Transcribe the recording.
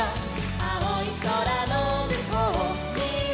「あおいそらのむこうには」